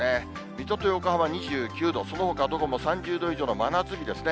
水戸と横浜２９度、そのほかはどこも３０度以上の真夏日ですね。